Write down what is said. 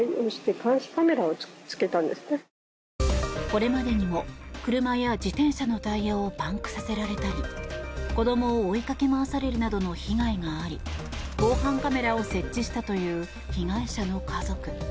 これまでにも車や自転車のタイヤをパンクさせられたり子どもを追いかけ回されるなどの被害があり防犯カメラを設置したという被害者の家族。